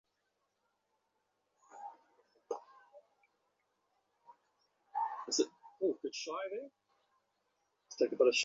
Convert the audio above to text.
মহেন্দ্র যে পথে চলিয়াছিল সে পথ হইতে তাহাকে কে ষ্টি করিয়াছে।